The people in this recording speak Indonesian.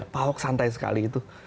pak ahok santai sekali gitu